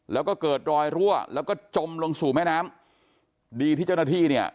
แล้วก็เกิดรอยรั่วแล้วก็จมลงสู่แม่น้ำดีที่เจ้าหน้าที่เนี่ย